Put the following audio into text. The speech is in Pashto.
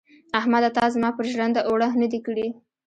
احمده تا زما پر ژرنده اوړه نه دې کړي.